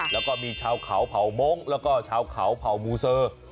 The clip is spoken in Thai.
แล้วก็มีชาวเขาเผ่ามงค์แล้วก็ชาวเขาเผ่ามูเซอร์